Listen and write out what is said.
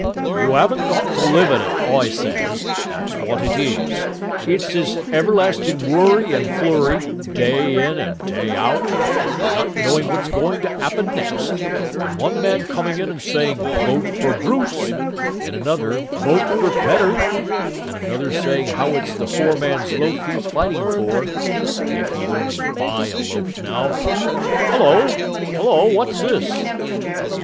"You 'aven't got to live in it, I says. That's what it is. It's this everlasting worry and flurry day in and day out, and not knowing what's going to 'appen next, and one man coming in and saying 'Vote for Bruce', and another 'Vote for Pedder', and another saying how it's the poor man's loaf he's fighting for if he'd only buy a loaf, now 'ullo, 'ullo, wot's this?"